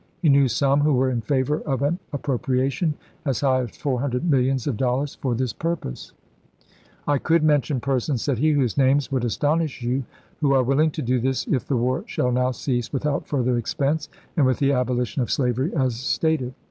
He knew some who were in favor of an appropriation as high as four hundred millions of dollars for this purpose. THE HAMPTON ROADS CONFERENCE 125 'I could mention persons,' said he, ' whose names chap.vi. would astonish you, who are willing to do this if the war shall now cease without further expense, and with the abolition of slavery as stated.'